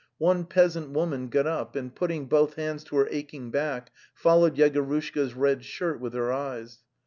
One peasant woman got up and, putting both hands to her aching back, followed Yegorush ka's red shirt with her eyes.